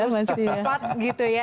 harus cepat gitu ya